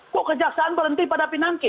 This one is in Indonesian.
kok kejaksaan berhenti pada pinangki